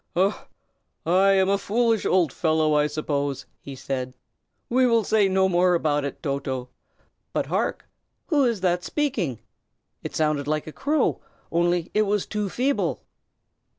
"I am a foolish old fellow, I suppose!" he said. "We will say no more about it, Toto. But, hark? who is that speaking. It sounded like a crow, only it was too feeble."